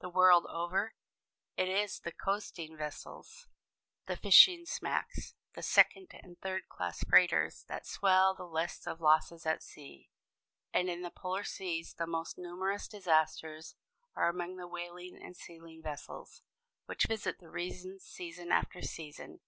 The world over, it is the coasting vessels, the fishing smacks, the second and third class freighters that swell the lists of losses at sea. And in the polar seas the most numerous disasters are among the whaling and sealing vessels, which visit the regions season after season.